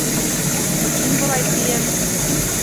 Мин былай тием.